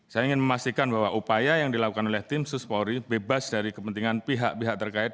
saya ingin memastikan bahwa upaya yang dilakukan oleh tim suspori bebas dari kepentingan pihak pihak terkait